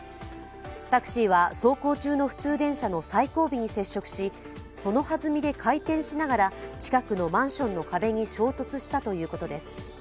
タクシーは走行中の普通電車の最後尾に接触しその弾みで回転しながら近くのマンションの壁に衝突したということです。